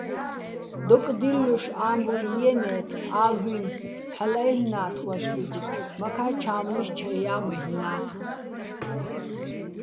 დოკდილლუშ ამბუჲ ჲიენე́თხ, ალ'უჲნი̆ ჰ̦ალო̆ აჲლ'ნა́თხ ვაშბიგო̆, მაქა́ ჩა́მლიშ ჩაჲა́ მაჲლ'ნა́თხ.